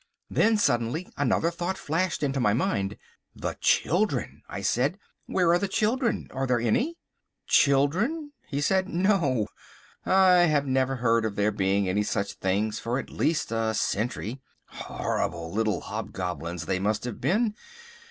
Then, suddenly, another thought flashed into my mind— "The children," I said, "where are the children? Are there any?" "Children," he said, "no! I have never heard of there being any such things for at least a century. Horrible little hobgoblins they must have been!